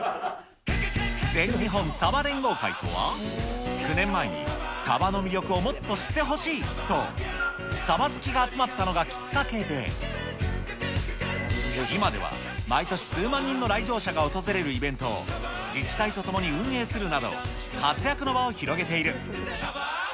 全日本さば連合会とは、９年前に、サバの魅力をもっと知ってほしいと、サバ好きが集まったのがきっかけで、今では毎年数万人の来場者が訪れるイベントを自治体とともに運営するなど、活躍の場を広げている。